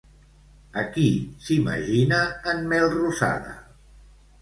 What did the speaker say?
A qui s'imagina en Melrosada?